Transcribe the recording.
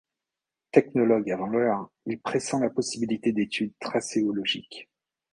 Technologue avant l'heure, il pressent la possibilité d'études tracéologiques.